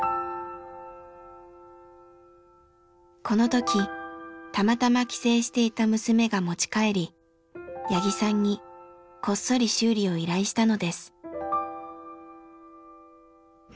この時たまたま帰省していた娘が持ち帰り八木さんにこっそり修理を依頼したのです。